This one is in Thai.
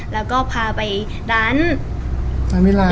แล้วก็พาไปดาล